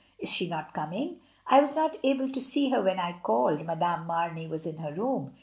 Is she not coming?" "I was not able to see her when I called — Madame Marney was in her room.